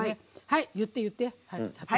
言って、言って。